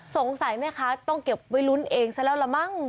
สงสัยแม่ค้าต้องเก็บไว้ลุ้นเองซะแล้วละมั้ง